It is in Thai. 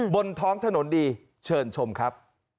บนท้องถนนดีเชิญชมครับ